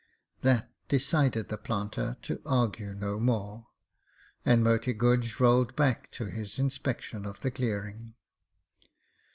That decided the planter to argue no more, and Moti Guj rolled back to his inspection of the clearing.